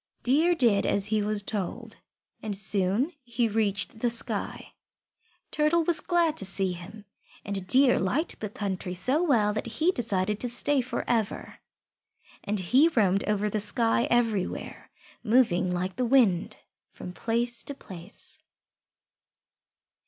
Deer did as he was told, and soon he reached the sky. Turtle was glad to see him, and Deer liked the country so well that he decided to stay for ever. And he roamed over the sky everywhere, moving like the wind from place to place.